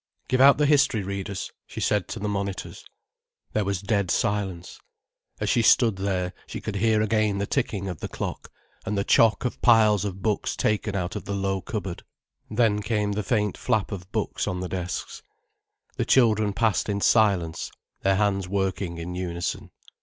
"Give out the history readers," she said to the monitors. There was dead silence. As she stood there, she could hear again the ticking of the clock, and the chock of piles of books taken out of the low cupboard. Then came the faint flap of books on the desks. The children passed in silence, their hands working in unison.